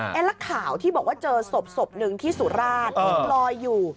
แล้วข่าวที่บอกว่าเจอศพหนึ่งที่สุราชลอยอยู่